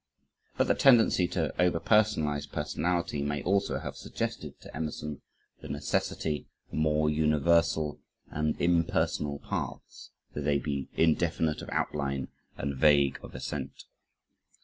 But the tendency to over personalize personality may also have suggested to Emerson the necessity for more universal, and impersonal paths, though they be indefinite of outline and vague of ascent.